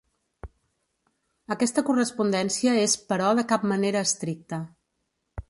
Aquesta correspondència és però de cap manera estricta.